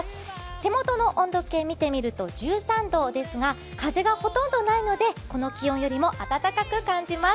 手元の温度計を見てみると１３度ですが、風がほとんどないので、この気温よりも暖かく感じます。